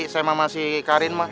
sama sama si karin mah